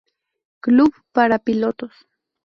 Club para pilotos.